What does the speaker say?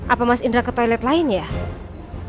apa mas indra ke toilet lainnya